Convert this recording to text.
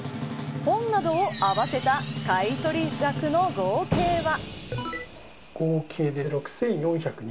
本などを合わせた買い取り額の合計は。